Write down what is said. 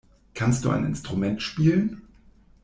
Kannst du ein Instrument spielen?